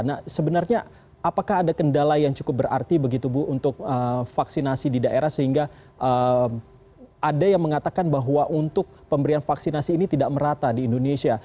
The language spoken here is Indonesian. nah sebenarnya apakah ada kendala yang cukup berarti begitu bu untuk vaksinasi di daerah sehingga ada yang mengatakan bahwa untuk pemberian vaksinasi ini tidak merata di indonesia